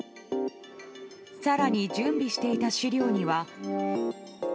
更に、準備していた資料には。